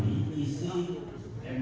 di sini pak